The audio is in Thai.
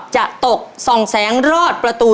จะตกส่องแสงรอดประตู